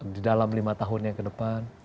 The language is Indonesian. di dalam lima tahun yang ke depan